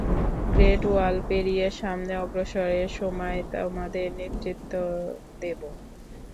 Great Wall পেরিয়ে সামনে অগ্রসরের সময় তোমাদের নেতৃত্ব দেব!